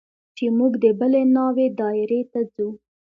چې موږ د بلې ناوې دايرې ته ځو.